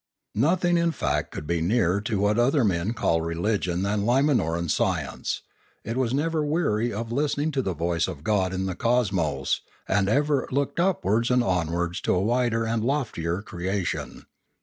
Nothing in fact could be nearer to what other men call religion than Limanoran science; it was never weary of listening to the voice of God in the cosmos and ever looked upwards and onwards to a wider and loftier creation.